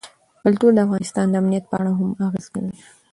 کلتور د افغانستان د امنیت په اړه هم اغېز لري.